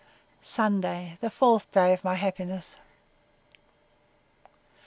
Sunday, the fourth day of my happiness.